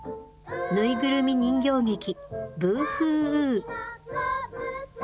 ぬいぐるみ人形劇「ブーフーウー」。